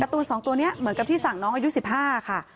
กระตูนสองตัวเนี่ยเหมือนกับที่สั่งน้องอายุสิบห้าค่ะ